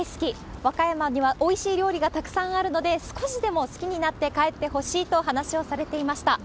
和歌山にはおいしい料理がたくさんあるので、少しでも好きになって帰ってほしいと話をされていました。